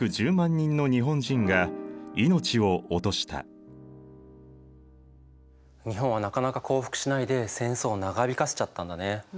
この戦争で日本はなかなか降伏しないで戦争を長引かせちゃったんだね。